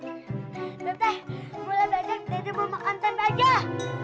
dede mulai banyak dede mau makan tempe aja